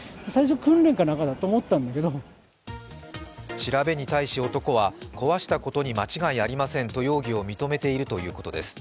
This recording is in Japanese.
調べに対し男は、壊したことに間違いありませんと容疑を認めているということです。